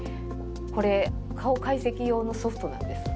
これ顔解析用のソフトなんです。